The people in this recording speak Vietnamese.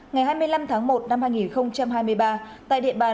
ngày hai mươi năm tháng một năm hai nghìn hai mươi ba tại địa bàn